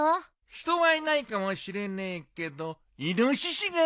人はいないかもしれねえけどイノシシが出るぞ。